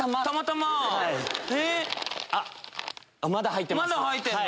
まだ入ってんの？